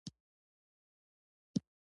د لویو غلو په څېر عمل کوي.